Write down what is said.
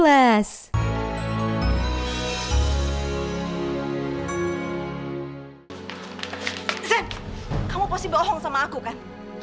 aku mau liat kedepan